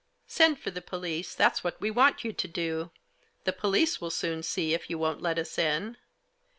" Send for the police, that's what we want you to do. The police will soon see if you won't let us in."